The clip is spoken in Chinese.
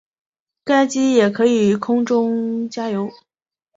该机也可以空中加油。